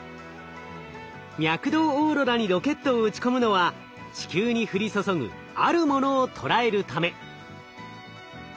脈動オーロラにロケットを打ち込むのは地球に降り注ぐあるものをとらえるため。